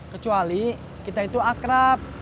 kecuali kita itu akrab